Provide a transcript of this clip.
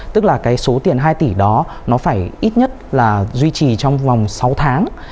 tức là cái số tiền hai tỷ đó nó phải ít nhất là duy trì trong vòng sáu tháng